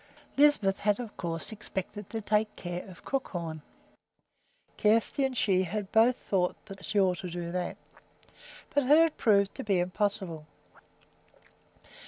Lisbeth had, of course, expected to take care of Crookhorn, Kjersti and she both thought she ought to do that; but it had proved to be impossible.